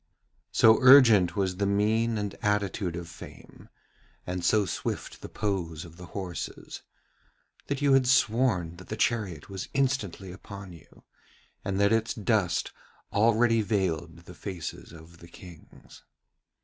So urgent was the mien and attitude of Fame, and so swift the pose of the horses, that you had sworn that the chariot was instantly upon you, and that its dust already veiled the faces of the Kings.